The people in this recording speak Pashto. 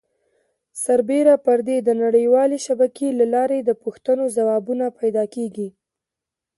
سربیره پر دې د نړۍ والې شبکې له لارې د پوښتنو ځوابونه پیدا کېږي.